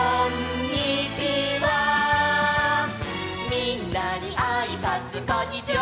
「みんなにあいさつこんにちは！」